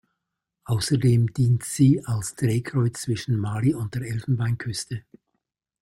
Außerdem dient sie als Drehkreuz zwischen Mali und der Elfenbeinküste.